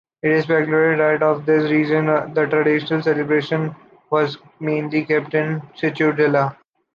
It is speculated that for this reason the traditional celebration was mainly kept in Ciutadella.